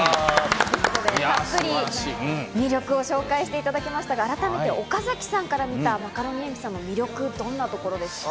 たっぷり魅力を紹介していただきましたが、改めて岡崎さんから見たマカロニえんぴつさんの魅力はどんなところですか？